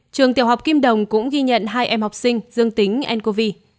trường tiểu học kim đồng cũng ghi nhận hai em học sinh dương tính ncov